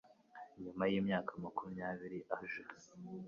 Nyuma y'imyaka makumyabiri aje